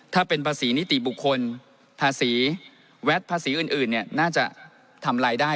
ถ้าเป็นภาษีนิติบุคคลภาษีแวดภาษีอื่นน่าจะทำรายได้